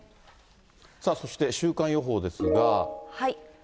そして、週間予報ですが。